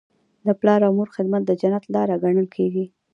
د پلار او مور خدمت د جنت لاره ګڼل کیږي.